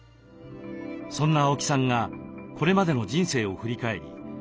そんな青木さんがこれまでの人生を振り返り